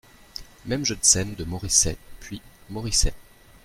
Même jeu de scène de Moricet, puis, Moricet .